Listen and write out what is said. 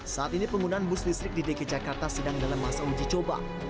saat ini penggunaan bus listrik di dki jakarta sedang dalam masa uji coba